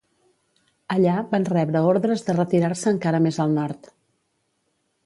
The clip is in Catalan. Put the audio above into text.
Allà, van rebre ordres de retirar-se encara més al nord.